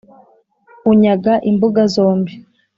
unyaga imbuga zombi,